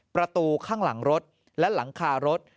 ประตูข้างหลังรถและหลังคารถ